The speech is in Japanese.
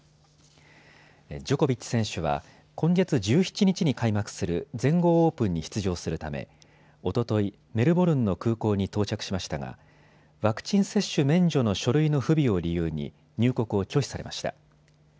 ジョコビッチ選手は今月１７日に開幕する全豪オープンに出場するためおととい、メルボルンの空港に到着しましたがワクチン接種免除の書類の不備を理由に入国を拒否されました。